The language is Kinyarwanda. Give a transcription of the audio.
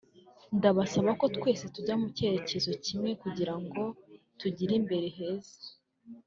ndabasaba ko twese tujya mu cyerekezo kimwe kugira ngo tugire imbere heza